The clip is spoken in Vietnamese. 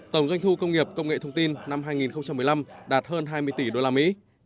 tổng doanh thu công nghiệp công nghệ thông tin năm hai nghìn một mươi năm đạt hơn hai mươi tỷ đô la mỹ